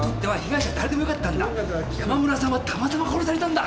山村さんはたまたま殺されたんだ。